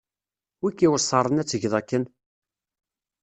Wi k-iweṣren ad tgeḍ akken.